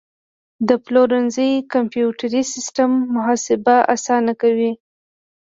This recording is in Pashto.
د پلورنځي کمپیوټري سیستم محاسبه اسانه کوي.